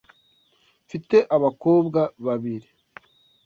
Mfite abakobwa babiri .